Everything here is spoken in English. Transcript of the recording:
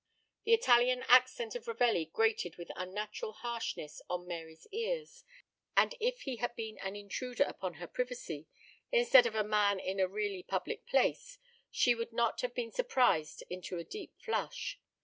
The Italian accent of Ravelli grated with unnatural harshness on Mary's ears, and if he had been an intruder upon her privacy, instead of a man in a really public place, she would not have been surprised into a deep flush.